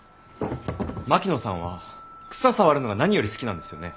槙野さんは草触るのが何より好きなんですよね？